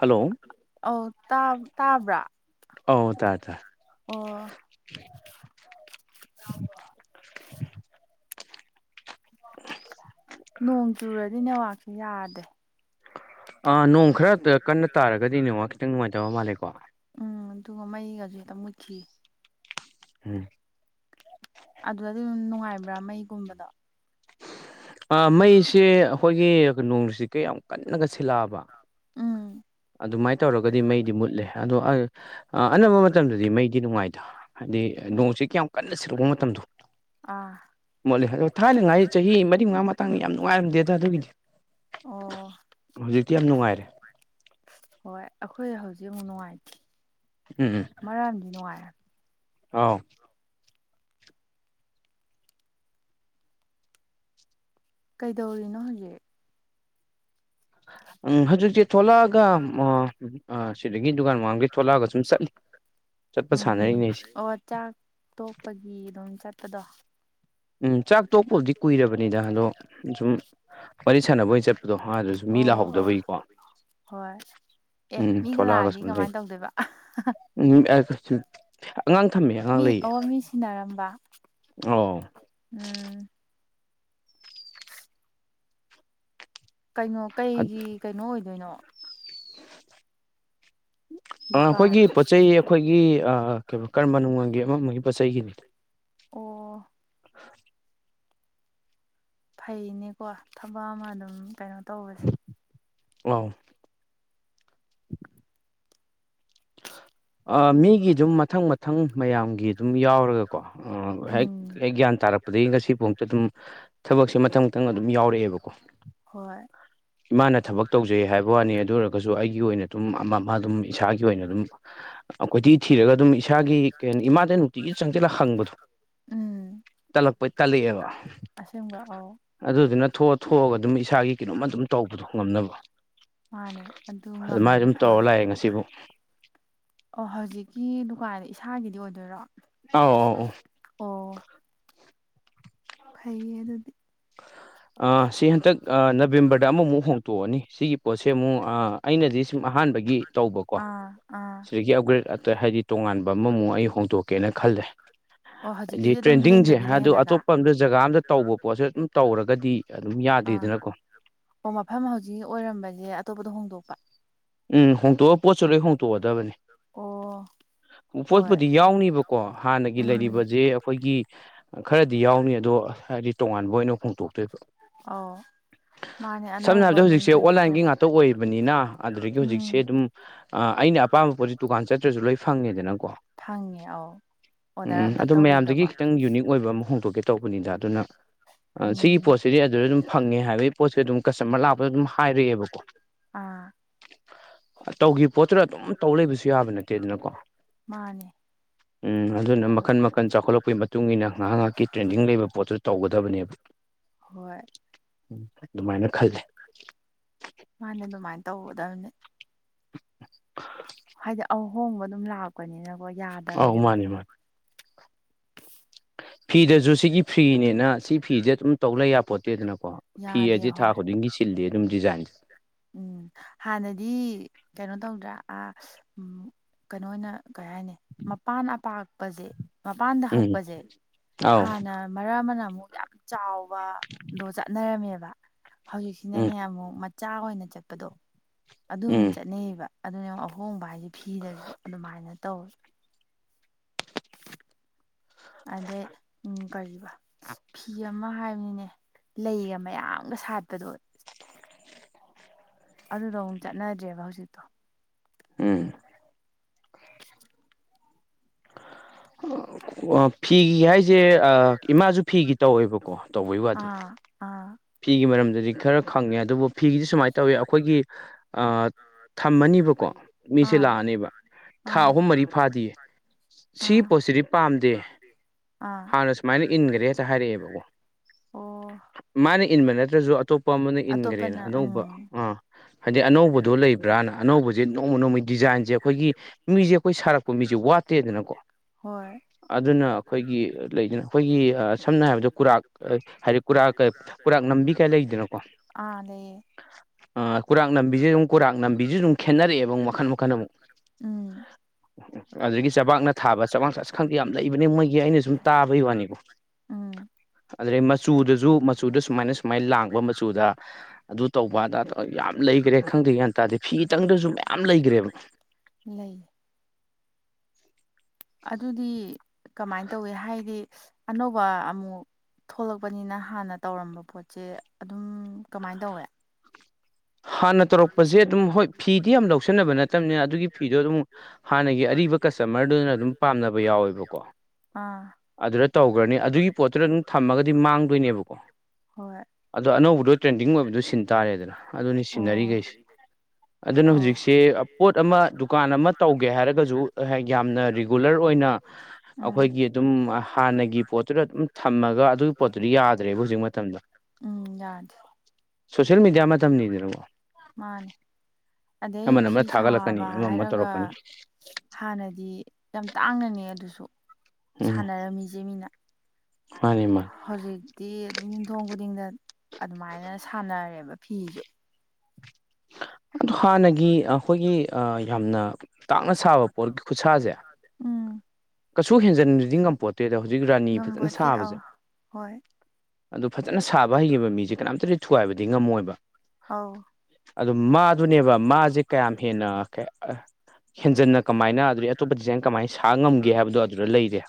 hello ꯑ ꯇꯥꯕ꯭ꯔꯥ ꯑꯧ ꯇꯥꯏ ꯇꯥ ꯑꯣ ꯅꯣꯡ ꯆꯨꯔꯗꯤ ꯅꯦꯋꯥꯛꯁꯦ ꯌꯥꯗ꯭ꯔꯦ ꯥ ꯅꯣꯡ ꯈꯔ ꯀꯟꯅ ꯇꯥꯔꯒꯗꯤ ꯅꯣꯡꯉ ꯈꯤꯇꯪ ꯅꯨꯡꯉꯥꯏꯖꯕ ꯃꯥꯜꯂꯦꯀꯣ ꯎꯝ ꯑꯗꯨꯒ ꯃꯩꯒꯁꯨ ꯦꯛꯇ ꯃꯨꯠꯈꯤꯌꯦ ꯎꯝ ꯑꯗꯨ ꯑꯗꯨꯝ ꯅꯨꯡꯉꯥꯏꯕ꯭ꯔꯥ ꯃꯩꯒꯨꯝꯕꯗꯣ ꯃꯩꯁꯦ ꯑꯩꯈꯣꯏꯒꯤ ꯅꯅꯨꯡꯁꯤ ꯀꯩ ꯌꯥꯝ ꯀꯟꯅꯒ ꯁꯤꯜꯂꯛꯑꯕ ꯎꯝ ꯑꯗꯨꯃꯥꯏꯅ ꯇꯧꯔꯒꯗꯤ ꯃꯩꯗꯤ ꯃꯨꯠꯂꯦ ꯑꯗꯣ ꯑꯅꯝꯕ ꯃꯇꯝꯗꯗꯤ ꯃꯩꯗꯤ ꯅꯨꯡꯉꯥꯏꯗ ꯍꯥꯏꯗꯤ ꯅꯣꯡꯁꯤꯦ ꯀꯌꯥꯝ ꯀꯟꯅ ꯁꯤꯔꯛꯄ ꯃꯇꯝꯗꯣ ꯑꯥ ꯃꯣꯠꯂꯦ ꯑꯗꯣ ꯊꯥꯏꯅꯉꯥꯏ ꯆꯍꯤ ꯃꯔꯤ ꯃꯉꯥ ꯃꯇꯥꯡꯗ ꯌꯥꯝ ꯅꯨꯡꯉꯥꯏꯔꯝꯗꯦꯗ ꯑꯗꯨꯒꯤꯗꯤ ꯑꯣ ꯍꯧꯖꯤꯛꯇꯤ ꯌꯥꯝ ꯅꯨꯡꯉꯥꯏꯔꯦ ꯍꯣꯏ ꯑꯩꯈꯣꯏ ꯍꯧꯖꯤꯛ ꯑꯃꯨꯛ ꯅꯨꯡꯉꯥꯏꯇ꯭ꯦ ꯎꯝ ꯎꯝ ꯃꯔꯝꯗꯤ ꯅꯨꯡꯉꯥꯏꯔꯦ ꯑꯥꯎ ꯀꯩꯗꯧꯔꯤꯅꯣ ꯍꯧꯖꯤꯛ ꯎꯝ ꯍꯧꯖꯤꯛꯇꯤ ꯊꯣꯛꯂꯛꯑꯒ ꯁꯤꯗꯒꯤ ꯗꯨꯀꯥꯟ ꯃꯥꯡ ꯊꯣꯛꯂꯛꯑꯒ ꯁꯨꯝ ꯆꯠꯂꯤ ꯆꯠꯄ ꯁꯥꯟꯅꯔꯤꯉꯩꯁꯦ ꯑꯣ ꯆ ꯇꯣꯄꯒꯤ ꯑꯗꯨꯝ ꯆꯠꯄꯗꯣ ꯎꯝ ꯆꯥꯛ ꯇꯣꯛꯄꯕꯨꯥꯎꯗꯤ ꯀꯨꯏꯔꯕꯅꯤꯗ ꯑꯗꯣ ꯁꯨꯝ ꯋꯥꯔꯤ ꯁꯥꯟꯅꯕ ꯑꯣꯏꯅ ꯆꯠꯄꯗꯣ ꯑ ꯑꯗꯨꯁꯨ ꯃꯤ ꯑꯣ ꯑꯣ ꯂꯥꯛꯍꯧꯗꯕꯒꯤꯀꯣ ꯍꯣꯏ ꯑꯦ ꯎꯝ ꯃꯤꯒ ꯂꯥꯛꯑꯗꯤ ꯀꯃꯥꯏꯅ ꯇꯧꯗꯣꯏꯕ ꯎꯝꯆ ꯑꯉꯥꯡ ꯊꯝꯃꯦ ꯑꯉꯥꯡ ꯃꯤ ꯂꯩꯌꯦ ꯑꯣ ꯃꯤ ꯁꯤꯟꯅꯔꯝꯕ ꯑꯣ ꯎꯝ ꯀꯩꯅꯣ ꯀꯩꯒꯤ ꯀꯩꯅꯣ ꯑꯣꯏꯗꯣꯏꯅꯣ [inaudible] ꯗꯨꯀꯥꯟ ꯑꯩꯈꯣꯏꯒꯤ ꯄꯣꯠ ꯆꯩꯩ ꯑꯩꯈꯣꯏꯒꯤ ꯀ ꯀꯔꯝꯕ ꯅꯨꯡꯃꯜꯒꯤ ꯑꯃ ꯑꯃꯒꯤ ꯄꯣꯠ ꯆꯩꯒꯤꯅꯤ ꯑꯣ ꯐꯩꯅꯦꯀꯣ ꯊꯕꯛ ꯑꯃ ꯑꯗꯨꯝ ꯀꯩꯅꯣ ꯇꯧꯕꯁꯦ ꯑ ꯃꯤꯒꯤ ꯑꯗꯨꯝ ꯃꯊꯪ ꯃꯊꯪ ꯃꯌꯥꯝꯒꯤ ꯑꯗꯨꯝ ꯌꯥꯎꯔꯒꯀꯣ ꯍꯦꯛ ꯎꯝ ꯍ ꯒ꯭ꯌꯥꯟ ꯇꯥꯔꯛꯄꯗꯒꯤ ꯉꯁꯤꯐꯥꯎ ꯑꯝꯇ ꯑꯗꯨꯝ ꯊꯕꯛꯁꯦ ꯃꯊꯪ ꯃꯊꯪ ꯑꯗꯨꯝ ꯌꯥꯎꯔꯛꯑꯦꯕꯀꯣ ꯍꯣꯏ ꯏꯃꯥꯅ ꯊꯕꯛ ꯇꯧꯖꯩ ꯍꯥꯏꯕ ꯋꯥꯅꯤ ꯑꯗꯨ ꯑꯣꯏꯔꯒꯁꯨ ꯑꯩꯒꯤ ꯑꯣꯏꯅ ꯑꯗꯨꯝ ꯑꯗꯨꯝ ꯏꯁꯥꯒꯤ ꯒꯤ ꯑꯣꯏꯅ ꯑꯗꯨꯝ ꯑꯩꯈꯣꯏꯊꯤ ꯊꯤꯔꯒ ꯑꯗꯨꯝ ꯏꯁꯥꯒꯤ ꯀꯩꯣ ꯏꯃꯥꯗ ꯅꯨꯡꯇꯤꯒꯤ ꯆꯪꯁꯤꯜꯂꯒ ꯍꯪꯕꯗꯣ ꯎꯝ ꯇꯜꯂꯛꯄꯩ ꯇꯠꯂꯛꯑꯦꯕ ꯑꯁꯦꯡꯕ ꯑꯧ ꯑꯗꯨꯗꯨꯅ ꯊꯣꯛꯑ ꯊꯣꯛꯑꯒ ꯑꯗꯨꯝ ꯏꯁꯥꯒꯤ ꯀꯩꯅꯣꯝꯃ ꯑꯗꯨꯝ ꯇꯧꯕꯗꯣ ꯉꯝꯅꯕ ꯃꯥꯅꯦ ꯑꯗꯨ ꯑꯗꯨꯃꯥꯏ ꯉꯝꯃꯤꯗꯣ ꯑꯗꯨꯝ ꯇꯧꯔ ꯐꯩꯌꯦ ꯂꯥꯛꯑꯦ ꯉꯁꯤꯕꯨ ꯑꯣ ꯍꯧꯖꯤꯛꯀꯤ ꯗꯨꯀꯥꯟꯗ ꯏꯁꯥꯒꯤꯗꯤ ꯑꯣꯏꯗꯣꯏꯔꯣ ꯑꯣ ꯑꯧ ꯑꯧ ꯐꯩꯌꯦ ꯑꯗꯨꯗꯤ ꯑꯣ ꯁꯤ ꯍꯟꯇꯛ ꯅꯕꯦꯝꯕꯔꯗ ꯑ ꯑ ꯁꯤ ꯆꯟꯗꯛ ꯑ ꯅꯕꯦꯝꯕꯔꯗ ꯑꯃꯃꯨꯛ ꯍꯣꯡꯇꯣꯛꯑꯅꯤ ꯁꯤꯒꯤ ꯄꯣꯠꯁꯦ ꯑꯃꯨꯛ ꯑ ꯑꯩꯅꯗꯤ ꯁꯨꯝ ꯑꯍꯥꯟꯕꯒꯤ ꯇꯧꯕꯀꯣ ꯑꯥ ꯑꯥ ꯁꯤꯗꯒꯤ ꯑꯞꯒ꯭ꯔꯦꯗ ꯑꯇꯩ ꯍꯥꯏꯗꯤ ꯇꯣꯉꯥꯟꯕ ꯑꯃꯃꯨꯛ ꯑꯩ ꯍꯣꯡꯗꯣꯛꯦ ꯀꯦꯅ ꯈꯜꯂꯦ ꯑꯣ ꯍꯥꯏꯗꯤ ꯍꯧꯖꯤꯛꯀꯤꯗꯤ ꯑꯗꯨꯝ ꯇ꯭ꯔꯦꯟꯗꯤꯡꯁꯦ ꯂꯦꯡꯗꯕꯤ ꯑꯗꯨ ꯂꯩꯍꯜꯂꯒ ꯑꯇꯣꯞꯄ ꯑꯝꯗ ꯖꯒꯥ ꯑꯝꯗ ꯇꯧꯕ ꯄꯣꯠꯁꯨ ꯑꯗꯨꯝ ꯇꯧꯔꯒꯗꯤ ꯑꯗꯨꯝ ꯑꯥ ꯌꯥꯗꯦꯗꯅꯀꯣ ꯑꯣ ꯃꯐꯝ ꯍꯧꯖꯤꯛ ꯑꯣꯏꯔꯝꯕꯁꯦ ꯑꯇꯣꯞꯄꯗ ꯍꯣꯡꯗꯣꯛꯄ ꯎꯝ ꯍꯣꯡꯇꯣꯛꯑ ꯄꯣꯠꯁꯨ ꯂꯣꯏ ꯍꯣꯡꯇꯣꯛꯑꯗꯕꯅꯤ ꯑꯣ ꯍꯣꯏ ꯄꯣꯠꯄꯨꯗꯤ ꯌꯥꯎꯅꯤꯕꯣ ꯀꯣ ꯍꯥꯟꯅꯒꯤ ꯎꯝ ꯂꯩꯔꯤꯕꯁꯦ ꯑꯩꯈꯣꯏꯒꯤ ꯈꯔꯗꯤ ꯌꯥꯎꯅꯤ ꯑꯗꯣ ꯍꯥꯏꯗꯤ ꯇꯣꯉꯥꯟꯕ ꯑꯣꯏꯅ ꯐꯣꯡꯗꯣꯛ ꯑꯧ ꯃꯥꯅꯦ ꯁꯝꯅ ꯑꯅꯧꯕ ꯍꯥꯏꯔꯕꯗ ꯑꯗꯨꯝ ꯍꯧꯖꯤꯛꯁꯦ ꯀꯩꯅꯣ ꯑꯣꯟꯂꯥꯏꯟꯒꯤ ꯇꯧꯕ ꯉꯥꯛꯇ ꯑꯣꯏꯔꯤꯕꯅꯤꯅ ꯑꯗꯨꯗꯒꯤ ꯎꯝ ꯍꯧꯖꯤꯛꯁꯦ ꯑꯗꯨꯝ ꯑꯩꯅ ꯑꯄꯥꯝꯕ ꯄꯣꯠꯁꯤ ꯗꯨꯀꯥꯟ ꯆꯠꯇ꯭ꯔꯁꯨ ꯂꯣꯏ ꯐꯪꯉꯦꯗꯅꯀꯣ ꯊꯥꯡꯉꯦ ꯑꯥꯎ ꯎꯝ ꯑꯣ ꯃꯌꯥꯝꯗꯒꯤ ꯈꯤꯇꯪ ꯌꯨꯅꯤꯛ ꯑꯣꯏꯕ ꯑꯃ ꯍꯣꯡꯗꯣꯛꯀꯦ ꯇꯧꯕꯅꯤꯗ ꯑꯗꯨꯅ ꯁꯤꯒꯤ ꯎꯝ ꯄꯣꯠꯁꯤꯗꯤ ꯑꯗꯨꯗ ꯑꯗꯨꯝ ꯐꯪꯉꯦ ꯍꯥꯏꯕꯒꯤ ꯄꯣꯠꯁꯨ ꯑꯗꯨꯝ ꯀꯁꯇꯃꯔ ꯂꯥꯛꯄꯗ ꯑꯗꯨꯝ ꯍꯥꯏꯔꯛꯑꯦꯕꯀꯣ ꯑꯥ ꯇꯧꯈꯤꯕ ꯄꯣꯠꯇꯨꯗ ꯑꯗꯨꯝ ꯇꯧ ꯂꯩꯕꯁꯨ ꯌꯥꯕ ꯅꯠꯇꯦ ꯑꯗꯨꯅꯀꯣ ꯃꯥꯅꯦ [inaudible] ꯎꯝ ꯑꯗꯨꯅ ꯃꯈꯟ ꯃꯈꯟ ꯆꯥꯎꯈꯠꯂꯛꯄꯒꯤ ꯃꯇꯨꯡ ꯏꯟꯅ ꯉꯥꯏꯍꯥꯛ ꯉꯥꯏꯍꯥꯛꯀꯤ ꯇ꯭ꯔꯦꯟꯗꯤꯡ ꯂꯩꯕ ꯄꯣꯠꯇꯨ ꯇꯧꯒꯗꯕꯅꯦꯕ ꯍꯣꯏ ꯎ ꯑꯗꯨꯃꯥꯏꯅ ꯈꯜꯂꯦ ꯃꯥꯅꯦ ꯑꯗꯨꯃꯥꯏꯅ ꯇꯧꯒꯗꯕꯅꯤ [inaudible] ꯍꯥꯏꯗꯤ ꯑꯍꯣꯡꯕ ꯑꯗꯨꯝ ꯂꯥꯛꯄꯅꯤꯅꯀꯣ ꯑꯧ ꯌꯥꯗꯕꯅꯦꯕ ꯃꯥꯅꯤ ꯃꯥꯅꯤ ꯐꯤꯗꯁꯨ ꯁꯤꯒꯤ ꯐꯤꯅꯦꯅ ꯁꯤ ꯐꯤꯤꯁꯦ ꯑꯗꯨꯝ ꯇꯧ ꯂꯩ ꯌꯥꯄꯣꯠꯇꯦꯗꯅꯀꯣ ꯐꯤ ꯌꯥꯗꯦ ꯑꯁꯤ ꯊꯥ ꯍꯣꯏ ꯈꯨꯗꯤꯡꯒꯤ ꯁꯤꯜꯂꯤ ꯑꯗꯨꯝ ꯗꯤꯖꯥꯏꯟꯁꯦ ꯎꯝ ꯍꯥꯟꯅꯗꯤ ꯀꯩꯅꯣ ꯇꯧꯗ꯭ꯔꯥ ꯑ ꯎꯝ ꯀꯩꯅꯣ ꯑꯣꯏꯅ ꯀꯩ ꯍꯥꯏꯅꯤ ꯃꯄꯥꯟ ꯑꯄꯥꯛꯄꯁꯦ ꯃꯄꯥꯟꯗ ꯎꯝ ꯍꯛꯄꯁꯦ ꯑꯥꯎ ꯍꯥꯟꯅ ꯃꯔꯛ ꯑꯃꯅ ꯑꯃꯨꯛ ꯌꯥꯝ ꯆꯥꯎꯕꯗꯣ ꯆꯠꯅꯔꯝꯃꯦꯕ ꯎꯝ ꯍꯧꯖꯤꯛꯁꯤꯅꯅꯦ ꯑꯃꯨꯛ ꯃꯆꯥ ꯑꯣꯏꯅ ꯆꯠꯄꯗꯣ ꯑꯗꯨ ꯎꯝ ꯑꯃꯨꯛ ꯆꯠꯅꯩꯑꯌꯦꯕ ꯑꯗꯨꯅ ꯑꯍꯣꯡꯕ ꯍꯥꯏꯗꯤ ꯐꯤꯗꯁꯨ ꯑꯗꯨꯃꯥꯏꯅ ꯇꯧꯋꯤ ꯑꯗꯩ ꯎ ꯀꯔꯤꯕ ꯐꯤ ꯌꯥꯝ ꯑꯃ ꯍꯥꯏꯕꯅꯤꯅꯦ ꯂꯩꯒ ꯃꯌꯥꯝꯒ ꯁꯥꯠꯄꯗꯣ ꯑꯗꯨꯗꯣ ꯑꯃꯨꯛ ꯆꯠꯅꯗ꯭ꯔꯦꯕ ꯍꯧꯖꯤꯛꯇꯣ ꯎꯝ [unintelligible] ꯐꯤꯒꯤ ꯍꯥꯏꯁꯦ ꯏꯃꯥꯁꯨ ꯐꯤꯒꯤ ꯇꯧꯋꯦꯕꯀꯣ ꯇꯧꯕꯒꯤ ꯋꯥꯗꯤ ꯑꯥ ꯑꯥ ꯐꯤꯒꯤ ꯃꯔꯝꯗꯗꯤ ꯈꯔ ꯈꯪꯉꯦ ꯑꯗꯨꯕꯨ ꯐꯤꯒꯤꯗꯤ ꯁꯨꯃꯥꯏꯅ ꯇꯧꯋꯤ ꯑꯩꯈꯣꯏꯒꯤ ꯑ ꯊꯝꯃꯅꯤꯕꯀꯣ ꯃꯤꯁꯦ ꯑꯥ ꯂꯥꯛꯑꯅꯦꯕ ꯊꯥ ꯑꯥ ꯑꯍꯨꯝ ꯃꯔꯤ ꯐꯥꯗꯤꯌꯦ ꯁꯤꯒꯤ ꯑꯥ ꯄꯣꯠꯁꯤꯗꯤ ꯄꯥꯝꯗꯦ ꯑꯥ ꯍꯥꯟꯅ ꯁꯨꯃꯥꯏꯅ ꯏꯟꯈꯔꯦ ꯍꯦꯛꯇ ꯍꯥꯏꯔꯛꯑꯦꯕꯀꯣ ꯑꯣ ꯃꯥꯅ ꯏꯟꯕ ꯅꯠꯇ꯭ꯔꯁꯨ ꯑꯇꯣꯞꯄ ꯑꯃꯅ ꯏꯟꯈ꯭ꯔꯦꯅ ꯑꯇꯣꯞꯄꯅ ꯑꯅꯧꯕ ꯎꯝ ꯑꯥ ꯍꯥꯏꯗꯤ ꯑꯅꯧꯕꯗꯣ ꯂꯩꯕ꯭ꯔꯥꯅ ꯑꯅꯧꯕꯁꯦ ꯅꯣꯡꯃ ꯅꯣꯡꯃꯒꯤ ꯗꯤꯖꯥꯏꯟꯁꯦ ꯑꯩꯈꯣꯏꯒꯤ ꯃꯤꯁꯦ ꯑꯩꯈꯣꯏ ꯁꯥꯔꯛꯄ ꯃꯤꯁꯦ ꯋꯥꯠ ꯇꯦꯗꯅꯀꯣ ꯍꯣꯏ ꯑꯗꯨꯅ ꯑꯩꯈꯣꯏꯒꯤ ꯂꯩꯗꯅ ꯑꯩꯈꯣꯏꯒꯤ ꯁꯝꯅ ꯍꯥꯏꯔꯕꯗ ꯀꯨꯔꯥꯛ ꯍꯥꯏ ꯀꯔꯥꯛ ꯀꯩ ꯀꯔꯥꯛ ꯅꯝꯕꯤ ꯀꯥꯏ ꯂꯩꯗꯅꯥꯀꯣ ꯑꯥ ꯂꯩꯌꯦ ꯑꯥ ꯀꯨꯔꯥꯛ ꯅꯝꯝꯕꯤꯁꯦ ꯑꯗꯨꯝ ꯀꯨꯔꯥꯛ ꯅꯝꯕꯤꯁꯤꯁꯨ ꯑꯗꯨꯝ ꯈꯦꯠꯅꯔꯛꯑꯦꯕ ꯑꯃꯨꯛ ꯃꯈꯟ ꯃꯈꯟ ꯑꯃꯨꯛ ꯎꯝ ꯑꯗꯨꯗꯒꯤ ꯆꯕꯥꯛꯅ ꯊꯥꯕ ꯆꯕꯥꯛ ꯑꯁ ꯈꯪꯗꯦ ꯌꯥꯝ ꯂꯩꯕꯅꯦ ꯃꯣꯏꯒꯤ ꯑꯩꯅ ꯁꯨꯝ ꯇꯥꯕꯩ ꯋꯥꯅꯤꯀꯣ ꯎꯝ ꯑꯗꯨꯗꯩ ꯃꯆꯨꯗꯁꯨ ꯃꯆꯨꯗ ꯁꯨꯃꯥꯏꯅ ꯁꯨꯃꯥꯏꯅ ꯂꯥꯡꯕ ꯃꯆꯨꯗ ꯑꯗꯨ ꯇꯧꯕ ꯑꯗ ꯌꯥꯝ ꯂꯩꯈ꯭ꯔꯦ ꯈꯪꯗꯦ ꯒꯤꯋꯥꯟ ꯇꯗꯤ ꯐꯤ ꯇꯪꯗꯁꯨ ꯃꯌꯥꯝ ꯂꯩꯈ꯭ꯔꯦꯕ ꯂꯩ ꯑꯗꯨꯗꯤ ꯀꯃꯥꯏꯅ ꯇꯧꯋꯤ ꯍꯥꯏꯗꯤ ꯑꯅꯧꯕ ꯑꯃꯨꯛ ꯊꯣꯛꯂꯛꯄꯅꯤꯅ ꯍꯥꯟꯅ ꯇꯧꯔꯝꯕ ꯄꯣꯠꯁꯦ ꯑꯗꯨꯝ ꯀꯃꯥꯏꯅ ꯇꯧꯋꯦ ꯍꯥꯟꯅ ꯇꯧꯔꯛꯄꯁꯦ ꯑꯗꯨꯝ ꯍꯣꯏ ꯐꯤꯗꯤ ꯌꯥꯝ ꯂꯧꯁꯤꯟꯅꯕ ꯅꯠꯇꯕꯅ ꯑꯗꯨꯒꯤ ꯐꯤꯗꯣ ꯑꯗꯨꯝ ꯍꯥꯟꯅꯒꯤ ꯑꯔꯤꯕ ꯀꯁꯇꯃꯔꯗꯨꯅ ꯑꯗꯨꯝ ꯄꯥꯝꯅꯕ ꯌꯥꯎꯋꯦꯕꯀꯣ ꯑꯥ ꯑꯗꯨꯗ ꯇꯧꯈ꯭ꯔꯅꯤ ꯑꯗꯨꯒꯤ ꯄꯣꯠꯇꯨꯗ ꯑꯗꯨꯝ ꯊꯝꯃꯒꯗꯤ ꯃꯥꯡꯗꯣꯏꯅꯦꯕꯀꯣ ꯍꯣꯏ ꯑꯗꯣ ꯑꯅꯧꯕꯗꯣ ꯇ꯭ꯔꯦꯟꯗꯤꯡ ꯑꯣꯏꯕꯗꯣ ꯁꯤꯟ ꯇꯥꯔꯦꯗꯅ ꯑꯗꯨꯅꯤ ꯑꯣ ꯁꯤꯟꯅꯔꯤꯈꯩꯁꯦ ꯑꯗꯨꯅ ꯑꯣ ꯍꯧꯖꯤꯛꯁꯦ ꯄꯣꯠ ꯑꯃ ꯗꯨꯀꯥꯟ ꯑꯃ ꯇꯧꯒꯦ ꯍꯥꯏꯔꯒꯁꯨ ꯌꯥꯝꯅ ꯔꯤꯒꯨꯂꯔ ꯑꯣꯏꯅ ꯎꯝ ꯑꯩꯈꯣꯏꯒꯤ ꯑꯗꯨꯝ ꯍꯥꯟꯅꯒꯤ ꯄꯣꯠꯇꯨꯗ ꯑꯗꯨꯝ ꯊꯝꯃꯒ ꯑꯗꯨ ꯄꯣꯠꯇꯨꯗꯤ ꯌꯥꯗ꯭ꯔꯦꯕ ꯍꯧꯖꯤꯛ ꯃꯇꯝꯗ ꯎꯝ ꯌꯥꯗꯦ ꯁꯣꯁꯤꯜ ꯃꯤꯗꯤꯌꯥ ꯃꯠ ꯃꯥꯅꯦ ꯑꯗꯩ ꯑꯃꯅ ꯐꯤ ꯑꯃ ꯁꯥꯕ ꯊꯥꯒꯠꯂꯛꯀꯅꯤ ꯑꯃ ꯑꯃ ꯍꯥꯏꯔꯒ ꯇꯧꯔꯛꯀꯅꯤ ꯍꯥꯟꯅꯗꯤ ꯌꯥꯝ ꯇꯥꯡꯅꯅꯦ ꯑꯗꯨꯁꯨ ꯁꯥꯟꯅꯔꯝꯃꯤꯁꯦ ꯃꯤꯅ ꯃꯥꯅꯦ ꯃꯥꯅꯤ ꯍꯧꯖꯤꯛꯇꯤ ꯑꯗꯨꯝ ꯌꯨꯝꯊꯣꯡ ꯈꯨꯗꯤꯡꯗ ꯑꯗꯨꯃꯥꯏꯅ ꯁꯥꯟꯅꯔꯦꯕ ꯐꯤꯁꯨ ꯑꯗꯨ ꯍꯥꯟꯅꯒꯤ ꯑꯩꯈꯣꯏꯒꯤ ꯌꯥꯝꯅ ꯇꯥꯛꯅ ꯁꯥꯕ ꯄꯣꯠꯀꯤ ꯈꯨꯠꯁꯥꯁꯦ ꯎꯝ ꯀꯩꯁꯨ ꯍꯦꯟꯖꯤꯟꯕꯗꯤ ꯉꯝꯄꯣꯠꯇꯦꯗ ꯍꯧꯖꯤꯛ ꯔꯥꯅꯤ ꯐꯖꯅ ꯉꯝꯄꯣꯠꯇꯦ ꯁꯥꯕꯁꯦ ꯑꯧ ꯍꯣꯏ ꯑꯗꯨ ꯐꯖꯅ ꯁꯥꯕ ꯍꯩꯈꯤꯕ ꯃꯤꯁꯦ ꯀꯅꯥꯝꯇꯗꯤ ꯊꯨꯒꯥꯏꯕꯗꯤ ꯉꯝꯃꯣꯏꯕ ꯑꯧ ꯑꯗꯨ ꯃꯥꯗꯨꯅꯦꯕ ꯃꯥꯁꯦ ꯀꯌꯥꯝ ꯍꯦꯟꯅ ꯍꯦꯟꯖꯟꯅ ꯀꯃꯥꯏꯅ ꯑꯗꯨꯗꯩ ꯑꯇꯣꯞꯄ ꯗꯤꯖꯥꯏꯟ ꯀꯃꯥꯏꯅ ꯁꯥ ꯉꯝꯒꯦ ꯍꯥꯏꯕꯗꯣ ꯑꯗꯨꯗ ꯂꯩꯔꯦ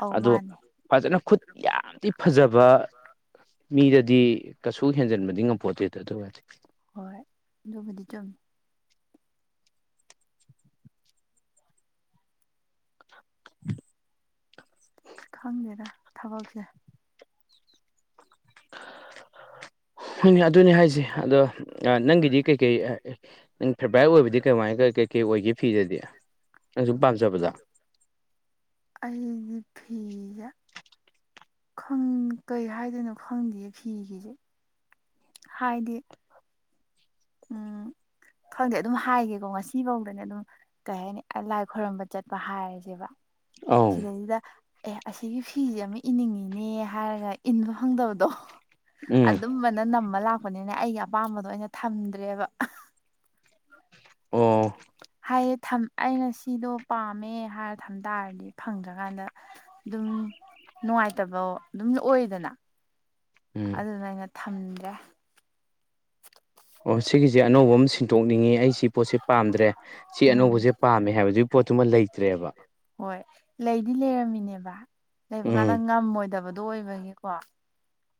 ꯑꯧ ꯑꯗꯣ ꯃꯥꯅꯦ ꯐꯖꯅ ꯈꯨꯠ ꯌꯥꯝꯗꯤ ꯐꯖꯕ ꯃꯤꯗꯗꯤ ꯀꯩꯁꯨ ꯍꯦꯟꯖꯟꯕꯗꯤ ꯉꯝꯄꯣꯠꯇꯦꯗ ꯑꯗꯨꯋꯗꯤ ꯍꯣꯏ ꯑꯗꯨꯕꯨꯗꯤ ꯆꯨꯝꯃꯤ ꯈꯪꯗꯦꯗꯥ ꯊꯕꯛꯁꯦ ꯍꯣꯏꯅ‌ꯦ ꯑꯗꯨꯅꯤ ꯍꯥꯏꯁꯦ ꯑꯗꯣ ꯅꯪꯒꯤꯗꯤ ꯀꯩꯀꯩ ꯅꯪ ꯐꯦꯚꯥꯏ ꯑꯣꯏꯕꯗꯤ ꯀꯃꯥꯏ ꯀꯩꯀꯩ ꯑꯣꯏꯒꯦ ꯐꯤꯗꯗꯤ ꯅꯪ ꯁꯨꯝ ꯄꯥꯝꯖꯕꯗ ꯑꯩꯗꯤ ꯐꯤꯖ‌ꯦ ꯅꯪ ꯀꯩ ꯍꯥꯏꯗꯣꯏꯅꯣ ꯈꯪꯗꯦꯌꯦ ꯐꯤꯒꯤꯁꯦ ꯍꯥꯏꯗꯤ ꯎꯝ ꯈꯪꯗꯦ ꯑꯗꯨꯝ ꯍꯥꯏꯒꯦꯀꯣ ꯉꯁꯤꯐꯧꯗꯅꯦ ꯑꯗꯨꯝ ꯀꯩ ꯍꯥꯏꯅꯤ ꯂꯥꯏ ꯈꯣꯏꯔꯝꯕ ꯆꯠꯄ ꯍꯥꯏꯔꯁꯦꯕ ꯑꯧ ꯁꯤꯗꯩꯁꯤꯗ ꯑꯦ ꯑꯁꯤꯒꯤ ꯐꯤꯁꯦ ꯑꯃ ꯏꯅꯤꯡꯉꯤꯅꯦ ꯍꯥꯏꯔꯒ ꯏꯟꯕ ꯐꯪꯗꯕꯗꯣ ꯎꯝ ꯑꯗꯨꯝꯕꯅ ꯅꯝꯃ ꯂꯥꯛꯄꯅꯤꯅ ꯑꯩꯒꯤ ꯑꯄꯥꯝꯕꯗꯣ ꯑꯩꯅ ꯊꯝꯗ꯭ꯔꯦꯕ ꯑꯣ ꯍꯥꯏꯗꯤ ꯊꯝ ꯑꯩꯅ ꯁꯤꯗꯣ ꯄꯥꯝꯃꯦ ꯍꯥꯏꯔ ꯊꯝ ꯇꯥꯔꯗꯤ ꯐꯪꯗ꯭ꯔꯀꯥꯟꯗ ꯑꯗꯨꯝ ꯅꯨꯡꯉꯥꯏꯇꯕ ꯑꯗꯨꯝ ꯑꯣꯏꯗꯅ ꯎꯝ ꯑꯗꯨꯅ ꯑꯩꯅ ꯊꯝꯗ꯭ꯔꯦ ꯑꯣ ꯁꯤꯒꯤꯁꯦ ꯑꯅꯧꯕ ꯑꯃ ꯁꯤꯟꯇꯣꯛꯅꯤꯡꯉꯤ ꯑꯩ ꯁꯤ ꯄꯣꯠꯁꯦ ꯄꯥꯝꯗ꯭ꯔꯦ ꯁꯤ ꯎꯝ ꯑꯅꯧꯕꯁꯦ ꯄꯥꯝꯃꯦ ꯍꯥꯏꯕꯗꯨꯒꯤ ꯄꯣꯠꯇꯨꯃ ꯂꯩꯇ꯭ꯔꯦꯕ ꯍꯣꯏ ꯂꯩꯗꯤ ꯂꯩꯔꯝꯃꯤꯅꯦꯕ ꯂꯩꯕ ꯀꯥꯟꯗ ꯎꯝ ꯉꯝꯃꯣꯏꯗꯕꯗꯣ ꯑꯣꯏꯕꯒꯤꯀꯣ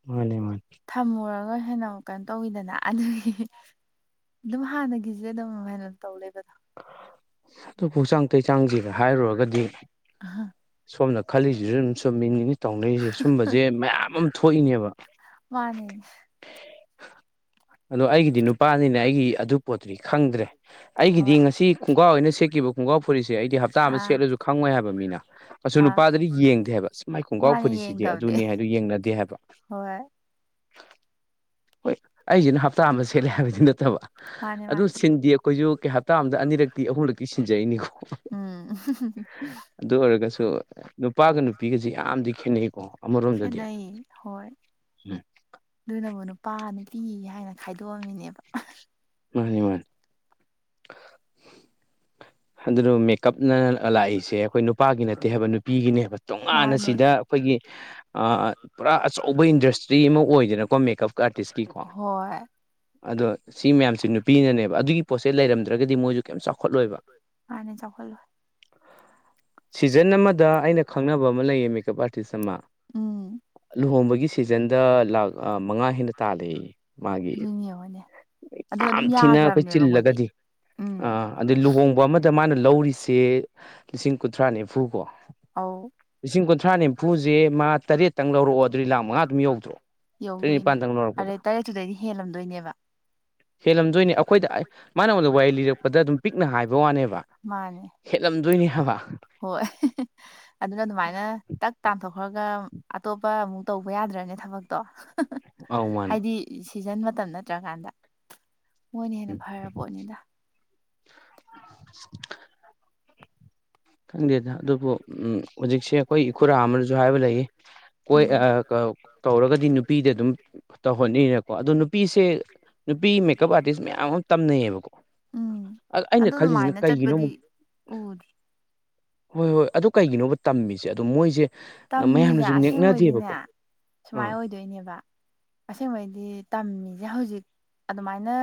ꯃꯥꯅꯦ ꯃꯥꯅꯦ ꯊꯝꯃꯨꯔꯒ ꯍꯦꯟꯅ ꯀꯩꯅꯣ ꯇꯧꯋꯤꯗꯅ ꯑꯗꯨꯒꯤ ꯑꯗꯨꯝ ꯍꯥꯟꯅꯒꯤꯁꯦ ꯑꯗꯨꯝ ꯍꯥꯏꯥꯏꯅ [unintelligible] ꯇꯧ ꯂꯩꯕꯗꯣ ꯑꯗꯨꯐꯆꯥꯡ ꯇꯩ ꯆꯥꯡꯁꯤꯔ ꯍꯥꯏꯔꯨꯔꯒꯗꯤ ꯁꯣꯝꯅ ꯈꯜꯂꯤꯁꯤꯁꯨ ꯑꯗꯨꯝ ꯆꯨꯝꯃꯤꯅꯤꯅꯦ ꯇꯧꯅꯩꯖꯦ ꯁꯨꯝꯕꯁꯦ ꯃꯌꯥꯝ ꯑꯃ ꯊꯣꯛꯏꯅꯦꯕ ꯃꯥꯅꯦ ꯑꯗꯣ ꯑꯩꯒꯤꯗꯤ ꯅꯨꯄꯥꯅꯤꯅꯦ ꯑꯩꯒꯤ ꯑꯗꯨ ꯄꯣꯠꯇꯨꯗꯤ ꯈꯪꯗ꯭ꯔꯦ ꯑꯩꯒꯤꯗꯤ ꯍꯣꯏ ꯍꯥꯏꯗꯤ ꯉꯁꯤ ꯈꯣꯡꯒ꯭ꯔꯥꯎ ꯑꯣꯏꯅ ꯁꯦꯠꯈꯤꯕ ꯈꯣꯡꯒꯥꯎ ꯐꯨꯔꯤꯠꯁꯦ ꯑꯩꯗꯤ ꯍꯞꯇꯥ ꯑꯃ ꯑꯥ ꯁꯦꯠꯂꯁꯨ ꯈꯪꯉꯣꯏ ꯍꯥꯏꯕ ꯃꯤꯅ ꯑꯁꯨ ꯑꯥ ꯅꯨꯄꯥꯗꯨꯗꯤ ꯌꯦꯡꯗꯦ ꯍꯥꯏꯕ ꯁꯨꯃꯥꯏ ꯈꯣꯡꯒꯥꯎ ꯃꯥꯅꯦ ꯐꯨꯔꯤꯁꯤꯗꯤ ꯌꯦꯡꯗꯕꯅꯦ ꯑꯗꯨꯅꯤ ꯍꯥꯏꯗꯨ ꯌꯦꯡꯅꯗꯦ ꯍꯥꯏꯕ ꯍꯣꯏ ꯍꯣꯏ ꯑꯩꯁꯤꯅ ꯍꯞꯇꯥ ꯑꯃ ꯁꯦꯠꯂꯦ ꯍꯥꯏꯕꯗꯤ ꯅꯠꯇꯕ ꯃꯥꯅꯦ ꯑꯗꯨ ꯃꯥꯅꯦ ꯁꯤꯟꯗꯦ ꯑꯩꯈꯣꯏꯁꯨ ꯀꯩ ꯇꯥ ꯑꯃꯗ ꯑꯅꯤꯔꯛꯇꯤ ꯑꯍꯨꯝꯂꯛꯇꯤ ꯁꯤꯟꯖꯩꯅꯤꯀꯣ ꯎꯝ ꯑꯗꯨ ꯑꯣꯏꯔꯒꯁꯨ ꯅꯨꯄꯥꯒ ꯅꯨꯄꯤꯒꯁ ꯌꯥꯝꯗꯤ ꯈꯦꯠꯅꯩꯀꯣ ꯑꯃꯔꯣꯝꯗ ꯈꯦꯠꯅꯩ ꯍꯣꯏ ꯑꯗꯨꯅꯕꯨ ꯅꯨꯄꯥ ꯅꯨꯄꯤ ꯍꯥꯏꯅ ꯈꯥꯏꯗꯣꯛꯑꯝꯃꯤꯅꯦꯕ ꯃꯥꯅꯦ ꯃꯥꯅꯦ ꯑꯗꯨꯅ ꯃꯦꯛ ꯀꯞꯅ ꯂꯥꯛꯏꯁꯦ ꯑꯩꯈꯣꯏ ꯅꯨꯄꯥꯒꯤ ꯅꯠꯇꯦ ꯍꯥꯏꯕ ꯅꯨꯄꯤꯒꯤꯅꯦ ꯍꯥꯏꯕ ꯇꯣꯉꯥꯟꯅ ꯃꯥꯅꯦ ꯁꯤꯗ ꯑꯩꯈꯣꯏꯒꯤ ꯄꯨꯔꯥ ꯑꯆꯧꯕ ꯏꯟꯗꯁꯇ꯭ꯔꯤ ꯑꯃ ꯑꯣꯏꯗꯅꯀꯣ ꯃꯦꯀꯞ ꯑꯥꯔꯇꯤꯁꯀꯤꯀꯣ ꯍꯣꯏ ꯑꯗꯣ ꯁꯤ ꯃꯌꯥꯝꯁꯦ ꯅꯨꯄꯤꯅꯅꯦꯕ ꯑꯗꯨꯒꯤ ꯄꯣꯠꯁꯦ ꯂꯩꯔꯝꯗ꯭ꯔꯒꯗꯤ ꯃꯣꯏꯁꯨ ꯀꯩꯝ ꯆꯥꯎꯈꯠꯂꯣꯏꯕ ꯃꯥꯥꯟꯅꯦ ꯆꯥꯎꯈꯠꯂꯣꯢ ꯁꯤꯖꯟ ꯑꯃꯗ ꯑꯩꯅ ꯈꯪꯅꯕ ꯑꯃ ꯂꯩꯌꯦ ꯃꯦꯀꯞ ꯑꯥꯔꯇꯤꯁ ꯑꯃ ꯎꯝ ꯂꯨꯍꯣꯡꯕꯒꯤ ꯁꯤꯖꯟꯗ ꯂꯥꯛ ꯃꯉꯥ ꯍꯦꯟꯅ ꯇꯥꯜꯂꯦꯌꯦ ꯃꯥꯒꯤ ꯑꯗꯨꯅꯤ ꯌꯦꯡꯉꯣꯅꯦ ꯑꯗꯨꯅ ꯌꯥꯝ ꯑꯗꯨꯝ ꯊꯤꯅ ꯑꯩꯈꯣꯏ ꯌꯥꯈ꯭ꯔꯕꯅꯦꯕ ꯃꯣꯏꯗꯤ ꯆꯤꯜꯂꯒꯗꯤ ꯑ ꯎꯝ ꯑꯗꯨꯗꯩ ꯂꯨꯍꯣꯡ ꯑꯃꯗ ꯃꯥꯅ ꯂꯧꯔꯤꯁꯦ ꯂꯤꯁꯤꯡ ꯀꯨꯟꯊ꯭ꯔꯥ ꯅꯤꯐꯨ ꯀꯣ ꯑꯧ ꯂꯤꯁꯤꯡ ꯀꯨꯟꯊ꯭ꯔꯥ ꯅꯤꯐꯨꯁꯦ ꯃꯥꯥ ꯇꯔꯦꯠꯇꯪ ꯂꯧꯔꯛꯑꯣ ꯑꯗꯨꯗꯤ ꯂꯥꯛ ꯃꯉꯥ ꯑꯗꯨꯝ ꯌꯧꯗ꯭ꯔꯣ ꯇꯔꯦꯠ ꯌꯧꯗꯣꯏꯅꯦ ꯅꯤꯄꯥꯟꯗꯪ ꯂꯧꯔꯛꯄꯗ ꯑꯔꯩ ꯇꯔꯦꯠꯇꯨꯗꯩꯗꯤ ꯍꯦꯜꯂꯝꯗꯣꯏꯅꯦꯕ ꯍꯦꯜꯂꯝꯗꯣꯏꯅꯤ ꯑꯩꯈꯣꯏꯗ ꯃꯥꯅꯉꯣꯟꯗ ꯋꯥꯔꯤ ꯂꯤꯔꯛꯄꯗ ꯑꯗꯨꯝ ꯄꯤꯛꯅ ꯍꯥꯏꯕ ꯍꯥꯏꯕ ꯋꯥꯅꯦꯕ ꯃꯥꯅꯦ ꯍꯦꯠꯂꯝꯗꯣꯏꯅꯦ ꯍꯥꯏꯕ ꯍꯣꯏ ꯑꯗꯨꯅ ꯑꯗꯨꯃꯥꯏꯅ ꯇꯛ ꯇꯥꯟꯊꯣꯛꯈ꯭ꯔꯒ ꯑꯇꯣꯞꯄ ꯑꯃꯨꯛ ꯇꯧꯕ ꯌꯥꯗ꯭ꯔꯅꯦ ꯊꯕꯛꯇꯣ ꯑꯧ ꯃꯥꯅꯦ ꯍꯥꯏꯗꯤ ꯁꯤꯖꯟ ꯃꯇꯝ ꯅꯠꯇ꯭ꯔꯀꯥꯟꯗ ꯃꯣꯏꯅ ꯍꯦꯟꯅ ꯎꯝ ꯐꯔ ꯄꯣꯠꯅꯤꯗ [inaudible] ꯈꯪꯗꯦꯗ ꯑꯗꯨꯕꯨ ꯍꯧꯖꯤꯛꯁꯦ ꯑꯩꯈꯣꯏ ꯏꯈꯨꯔꯥ ꯑꯃꯅꯁꯨ ꯍꯥꯏꯕ ꯂꯩꯌꯦ ꯀꯣꯏ ꯎꯝ ꯀꯧꯔꯒꯗꯤ ꯅꯨꯄꯤꯗ ꯑꯗꯨꯝ ꯇꯧꯍꯣꯅꯅꯀꯣ ꯑꯗꯣ ꯅꯨꯄꯤꯁꯦ ꯅꯨꯄꯤ ꯃꯦꯀꯞ ꯑꯥꯔꯇꯤꯁ ꯃꯌꯥꯝ ꯑꯃ ꯇꯝꯅꯩꯌꯦꯕꯀꯣ ꯎꯝ ꯑ ꯑꯩꯅ ꯈꯜꯂꯤꯁꯤꯅ ꯀꯩꯒꯤꯅꯣ ꯑꯃꯨꯛ ꯑꯣ ꯍꯣꯏ ꯍꯣꯏ ꯑꯗꯨ ꯀꯩꯒꯤꯅꯣꯕ ꯇꯝꯃꯤꯁꯦ ꯑꯗꯣ ꯃꯣꯏꯁꯦ ꯇꯝꯃꯤꯁꯦ ꯃꯌꯥꯝꯅꯁꯨ ꯑꯁꯦꯡꯕꯒꯤꯅꯦ ꯅꯦꯛꯅꯗꯦꯕꯀꯣ ꯁꯨꯃꯥꯏꯅ ꯑꯥ ꯑꯣꯏꯗꯣꯏꯅꯦꯕ ꯑꯁꯦꯡꯕꯩꯗꯤ ꯇꯝꯃꯤꯁꯦ ꯍꯧꯖꯤꯛ ꯑꯗꯨꯃꯥꯏꯅ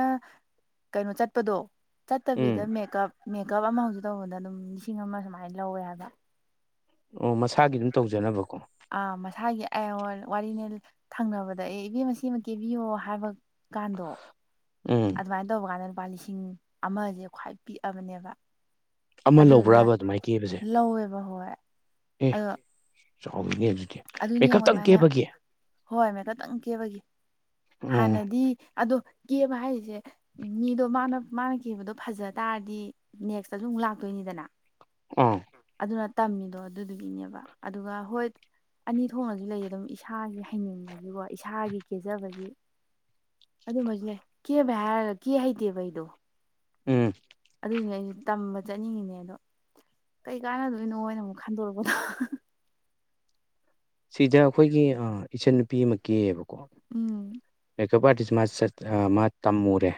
ꯀꯩꯅꯣ ꯆꯠꯄꯗꯣ ꯆꯠꯇꯕꯤꯗ ꯎꯝ ꯃꯦꯀꯞ ꯃꯦꯀꯞ ꯑꯃꯐꯁꯨ ꯇꯧꯕꯗ ꯑꯗꯨꯝ ꯂꯤꯁꯤꯡ ꯑꯃ ꯁꯨꯃꯥꯏꯅ ꯂꯧꯋꯦ ꯍꯥꯏꯕ ꯑꯣ ꯃꯁꯥꯒꯤ ꯑꯗꯨꯝ ꯇꯧꯖꯅꯕꯀꯣ ꯑꯥ ꯃꯁꯥꯒꯤ ꯋꯥꯔꯤꯅꯦ ꯊꯪꯅꯕꯗ ꯑꯦ ꯏꯕꯦꯝꯃꯃ ꯀꯦꯕꯤꯌꯣ ꯍꯥꯏꯕ ꯀꯥꯟꯗꯣꯛ ꯎꯝ ꯑꯗꯨꯃꯥꯏꯅ ꯇꯧꯕ ꯀꯥꯟꯗ ꯂꯨꯄꯥ ꯂꯤꯁꯤꯡ ꯑꯃꯁꯦ ꯈ꯭ꯋꯥꯏ ꯄꯤꯛꯑꯕꯅꯦꯕ ꯑꯃ ꯑꯗꯨꯗꯨꯅ ꯂꯧꯕ꯭ꯔꯕ ꯑꯗꯨꯃꯥꯏꯅ ꯀꯦꯕꯁꯦ ꯂꯧꯋꯦꯕ ꯍꯣꯏ ꯑꯦ ꯑꯗꯣ ꯆꯥꯎꯋꯤꯅꯦ ꯑꯗꯨꯗꯤ ꯑꯗꯨꯅꯦ ꯌꯦꯡꯉꯣ ꯃꯦꯀꯞꯇꯪ ꯑꯗꯨꯃꯥꯏꯅ ꯀꯦꯕꯒꯤ ꯍꯣꯏ ꯃ ꯈꯇꯪ ꯀꯦꯕꯒꯤ ꯑꯣ ꯍꯥꯟꯅꯗꯤ ꯑꯗꯣ ꯀꯦꯕ ꯍꯥꯏꯔꯤꯁꯦ ꯃꯤꯗꯣ ꯃꯥꯅ ꯃꯥꯅ ꯀꯤꯕꯗꯣ ꯐꯖ ꯇꯥꯔꯗꯤ ꯅꯦꯛꯁꯇꯁꯨ ꯑꯃꯨꯛ ꯂꯥꯛꯇꯣꯏꯅꯤꯗꯅ ꯑꯥ ꯑꯗꯨꯅ ꯇꯝꯃꯤꯗꯣ ꯑꯗꯨꯗꯨꯒꯤꯅꯦꯕ ꯑꯗꯨꯒ ꯍꯣꯏ ꯑꯅꯤ ꯊꯣꯛꯅꯁꯨ ꯂꯩꯌꯦ ꯑꯗꯨꯝ ꯏꯁꯥꯁꯒꯤ ꯍꯩꯅꯤꯡꯕꯒꯤꯀꯣ ꯏꯁꯥꯒꯤ ꯀꯦꯖꯕꯒꯤ ꯑꯗꯨꯃꯖꯨ ꯂꯩ ꯀꯦꯕ ꯍꯥꯏꯔꯒ ꯀꯦ ꯍꯩꯇꯦꯕ ꯑꯩꯗꯣ ꯎꯝ ꯑꯗꯨꯅꯦ ꯑꯩꯁꯨ ꯇꯝꯕ ꯆꯠꯅꯤꯡꯉꯤꯅꯦ ꯑꯗꯣ ꯀꯩ ꯀꯥꯟꯅꯗꯣꯏꯅꯣꯅ ꯑꯃꯨꯛ ꯈꯟꯗꯣꯔꯛꯄꯗꯣ ꯁꯤꯗ ꯑꯩꯈꯣꯏꯒꯤ ꯑꯥ ꯏꯆꯟꯅꯨꯄꯤ ꯑꯃ ꯀꯦꯌꯦꯕꯀꯣ ꯎꯝ ꯃꯦꯀꯞ ꯑꯥꯔꯇꯤꯁ ꯃꯥ ꯆꯠ ꯑꯥ ꯃꯥ ꯇꯝꯃꯨꯔꯦ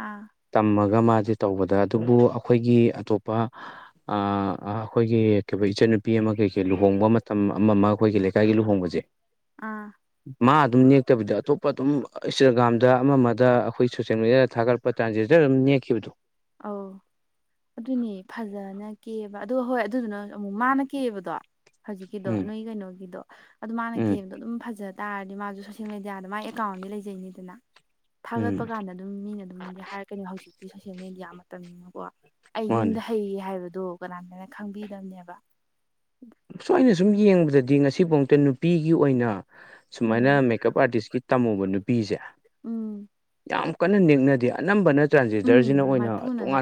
ꯑꯥ ꯇꯝꯃꯒ ꯃꯥꯖꯦ ꯇꯧꯕꯗ ꯑꯗꯨꯕꯨ ꯑꯩꯈꯣꯏꯒꯤ ꯑꯇꯣꯞ ꯄꯥ ꯑꯥ ꯑꯩꯈꯣꯏꯒꯤ ꯀꯩꯕ ꯏꯆꯟꯅꯨꯄꯤ ꯑꯃ ꯀꯩ ꯂꯨꯍꯣꯡꯕ ꯃꯇꯝ ꯑꯃ ꯑꯃ ꯑꯩꯈꯣꯏꯒꯤ ꯂꯩꯀꯥꯏꯒꯤ ꯂꯨꯍꯣꯡꯕꯖꯦ ꯑꯥ ꯃꯥ ꯑꯗꯨꯝ ꯅꯦꯛꯇꯕꯤꯗ ꯑꯇꯣꯞꯄ ꯑꯗꯨꯝ ꯏꯟꯁꯇꯥꯒ꯭ꯔꯥꯝꯗ ꯑꯃ ꯑꯃꯗ ꯑꯩꯈꯣꯏ ꯁꯣꯁꯦꯜ ꯃꯦꯗꯤꯌꯥꯗ ꯊꯥꯒꯠꯂꯛꯄ ꯇ꯭ꯔꯥꯟꯖꯦꯟꯗꯔ ꯑꯗꯨꯝ ꯅꯦꯛꯈꯤꯕꯗꯣ ꯑꯥꯎ ꯑꯗꯨꯅꯦ ꯐꯖꯅ ꯀꯦꯕ ꯑꯗꯣ ꯍꯣꯏ ꯑꯗꯨꯗꯨꯅ ꯑꯃꯨꯛ ꯃꯥꯅ ꯀꯦꯕꯗꯣ ꯍꯧꯖꯤꯛꯀꯤꯗꯣ ꯎꯝ ꯅꯣꯏꯒꯤ ꯀꯩꯅꯣꯒꯤꯗꯣ ꯑꯗꯨ ꯃꯥꯅ ꯎꯝ ꯀꯦꯕꯗꯣ ꯑꯗꯨꯝ ꯐꯖ ꯇꯥꯔꯗꯤ ꯃꯥꯁꯨ ꯁꯣꯁꯦꯜ ꯃꯦꯗꯤꯌꯥꯗ ꯃꯥꯒꯤ ꯑꯦ ꯀꯥꯎꯟꯗꯤ ꯂꯩꯖꯩꯅꯤꯗꯅ ꯊꯥꯒꯠꯄ ꯎꯝ ꯀꯥꯟꯗ ꯑꯗꯨꯝ ꯃꯤꯅ ꯑꯗꯨꯝꯗꯤ ꯍꯥꯏꯔꯛꯀꯅꯤ ꯍꯧꯖꯤꯛꯇꯤ ꯁꯣꯁꯦꯜ ꯃꯦꯗꯤꯌꯥ ꯃꯇꯝꯅꯤꯅꯀꯣ ꯑꯩ ꯃꯥꯅꯦ ꯌꯨꯝꯗ ꯍꯩ ꯍꯥꯏꯕꯗꯣ ꯀꯅꯥꯝꯇꯅ ꯈꯪꯕꯤꯗꯕꯅꯦꯕ [unintelligible] ꯁꯨꯝ ꯌꯦꯡꯕꯗꯗꯤ ꯉꯁꯤꯕꯥꯎꯗ ꯅꯨꯄꯤꯒꯤ ꯑꯣꯏꯅ ꯁꯨꯃꯥꯏꯅ ꯎꯝ ꯃꯦꯀꯞ ꯑꯥꯔꯇꯤꯁꯀꯤ ꯇꯝꯃꯨꯕ ꯅꯨꯄꯤꯖꯦ ꯎꯝ ꯌꯥꯝ ꯀꯟꯅ ꯅꯦꯛꯅꯗꯦ ꯑꯅꯝꯕꯅ ꯇ꯭ꯔꯥꯟꯖꯦꯟꯗꯔꯖꯤꯅ ꯎꯝ ꯑꯣꯏꯅ ꯃꯥꯏꯄꯨꯅꯅ ꯇꯣꯉꯥꯟ